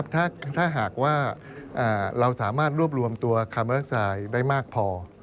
ถ้าหากว่าเราสามารถรวบรวมตัวคาเม็กไซด์ได้มากพอ